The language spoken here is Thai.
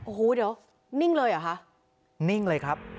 โอ้โหเดี๋ยวนิ่งเลยเหรอคะนิ่งเลยครับ